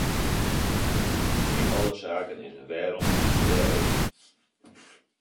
Yn alle saken is in wêrom en in dêrom.